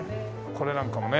これなんかもね。